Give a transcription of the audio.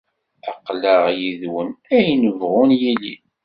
Aql-aɣ yid-wen ayen yebɣun yili.